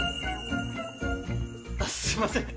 あっすいません。